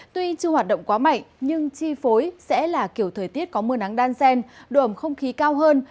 tuy chưa hoạt động quá mạnh nhưng chi phối sẽ là kiểu thời tiết có mưa nắng đan sen độ ẩm không khí cao hơn